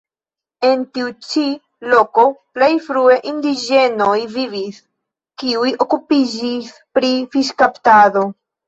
En tiu ĉi loko plej frue indiĝenoj vivis, kiuj okupiĝis pri fiŝkaptado.